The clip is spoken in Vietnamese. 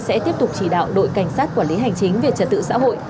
sẽ tiếp tục chỉ đạo đội cảnh sát quản lý hành chính về trật tự xã hội